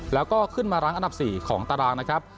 แล้วก็ขึ้นมารั้งอันดับ๔ของตารางนะครับ